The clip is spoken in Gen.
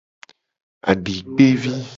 Adikpevi.